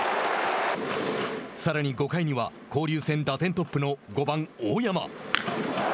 さらに５回には交流戦打点トップの５番、大山。